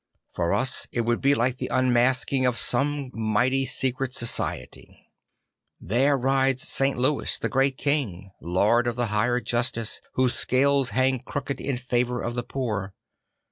For us it would be like the unmasking of some mighty secret society. There rides St. Louis, the great king, lord of the higher justice whose scales hang crooked in favour of the poor.